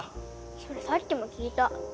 それさっきも聞いた。